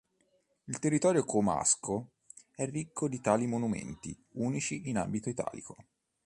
Il territorio comasco è ricco di tali monumenti, unici in ambito italico.